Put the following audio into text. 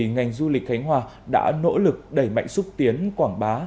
ngành du lịch khánh hòa đã nỗ lực đẩy mạnh xúc tiến quảng bá